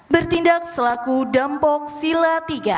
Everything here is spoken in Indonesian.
bertindak selaku dampok sila tiga